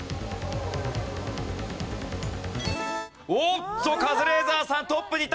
おっとカズレーザーさんトップに立つか？